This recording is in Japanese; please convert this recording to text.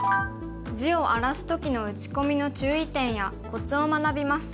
地を荒らす時の打ち込みの注意点やコツを学びます。